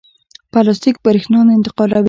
پلاستیک برېښنا نه انتقالوي.